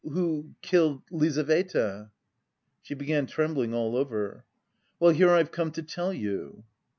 who killed Lizaveta." She began trembling all over. "Well, here I've come to tell you."